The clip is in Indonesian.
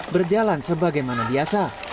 berjalan sebagaimana biasa